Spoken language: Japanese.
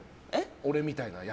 俺みたいなやつ。